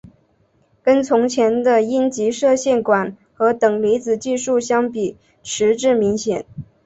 跟从前的阴极射线管和等离子技术相比迟滞明显。